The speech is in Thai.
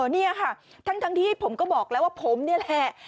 นี่ค่ะทั้งที่ผมก็บอกแล้วว่าผมนี่แหละ